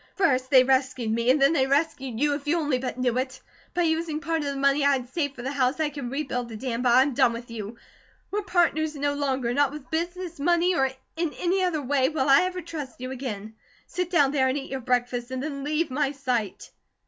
First they rescued me; and then they rescued YOU, if you only but knew it. By using part of the money I had saved for the house, I can rebuild the dam; but I am done with you. We're partners no longer. Not with business, money, or in any other way, will I ever trust you again. Sit down there and eat your breakfast, and then leave my sight."